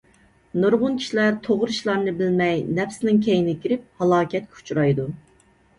نۇرغۇن كىشىلەر توغرا ئىشلارنى بىلمەي نەپسىنىڭ كەينىگە كىرىپ، ھالاكەتكە ئۇچرايدۇ.